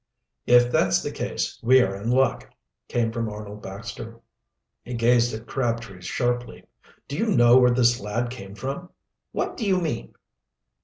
"If that's the case we are in luck," came from Arnold Baxter. He gazed at Crabtree sharply. "Do you know where this lad came from?" "What do you mean?"